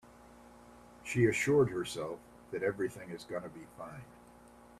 She assured herself that everything is gonna be fine.